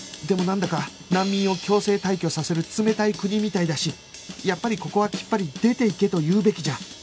でもなんだか難民を強制退去させる冷たい国みたいだしやっぱりここはきっぱり「出ていけ」と言うべきじゃ